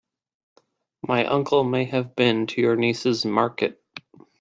My uncle may have been to your niece's market.